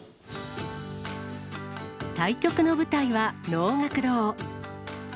対局の舞台は能楽堂。